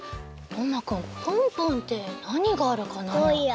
とうまくんプンプンってなにがあるかな？